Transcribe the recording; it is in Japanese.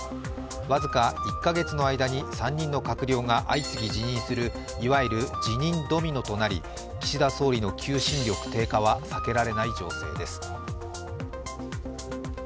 僅か１か月の間に３人の閣僚が相次ぎ辞任するいわゆる辞任ドミノとなり岸田総理の求心力低下は避けられない情勢です。